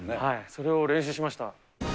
それを練習しました。